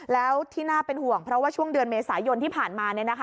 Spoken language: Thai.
แล้วที่น่าเป็นห่วงเพราะว่าช่วงเดือนเมษายนที่ผ่านมา